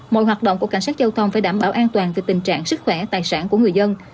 mọi hoạt động của cảnh sát giao thông phải đảm bảo an toàn về tình trạng sức khỏe tài sản của người dân